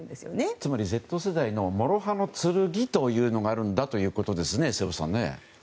つまりＺ世代の諸刃の剣というのがあるんだということなんですね瀬尾さん。